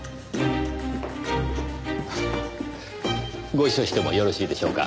ご一緒してもよろしいでしょうか？